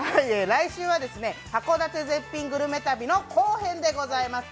来週は函館絶品グルメ旅の後半でございます。